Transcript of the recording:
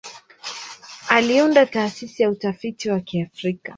Aliunda Taasisi ya Utafiti wa Kiafrika.